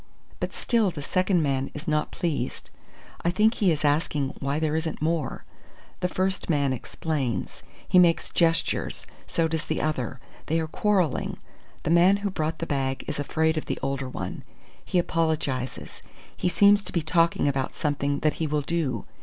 "But still the second man is not pleased. I think he is asking why there isn't more. The first man explains. He makes gestures. So does the other. They are quarrelling. The man who brought the bag is afraid of the older one. He apologizes. He seems to be talking about something that he will do.